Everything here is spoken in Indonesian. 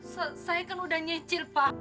loh saya kan udah nyecil pak